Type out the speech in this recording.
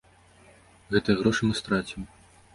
Гэтыя грошы мы страцім.